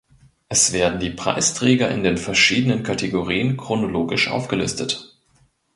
Es werden die Preisträger in den verschiedenen Kategorien chronologisch aufgelistet.